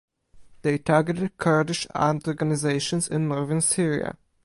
They targeted Kurdish armed organizations in northern Syria.